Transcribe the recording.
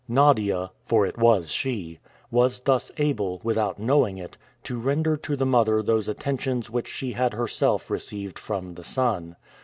Nadia for it was she was thus able, without knowing it, to render to the mother those attentions which she had herself received from the son.